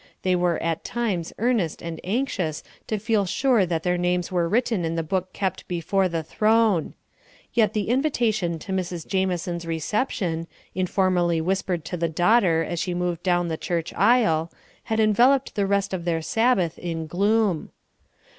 They were at times earnest and anxious to feel sure that their names were written in the book kept before the throne. Yet the invitation to Mrs. Jamison's reception, informally whispered to the daughter as she moved down the church aisle, had enveloped the rest of their Sabbath in gloom.